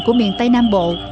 của miền tây nam bộ